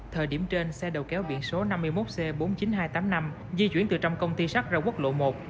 thời điểm trên xe đầu kéo biển số năm mươi một c bốn mươi chín nghìn hai trăm tám mươi năm di chuyển từ trong công ty sắt ra quốc lộ một